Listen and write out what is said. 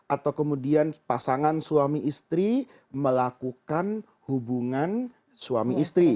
atau kemudian pasangan suami istri melakukan hubungan suami istri